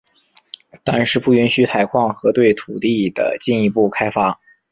但是不允许采矿和对土地的进一步开发。